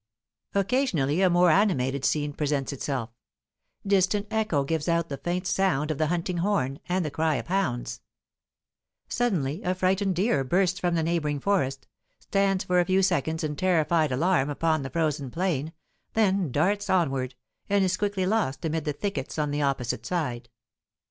Occasionally a more animated scene presents itself; distant echo gives out the faint sound of the hunting horn, and the cry of hounds; suddenly a frightened deer bursts from the neighbouring forest, stands for a few seconds in terrified alarm upon the frozen plain, then darts onward, and is quickly lost amid the thickets on the opposite side.